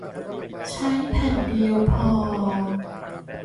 ใช้แผ่นเดียวพอ